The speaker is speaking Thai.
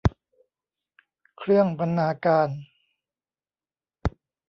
เครื่องบรรณาการ